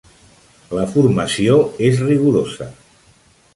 La formació és rigorosa.